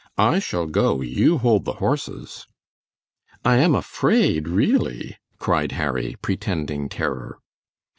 I shall go; you hold the horses." "I am afraid, really," cried Harry, pretending terror.